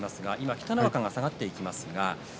北の若が下がっていきました。